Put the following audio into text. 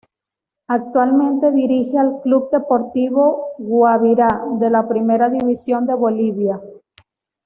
Actualmente dirige al Club Deportivo Guabirá de la Primera División de Bolivia.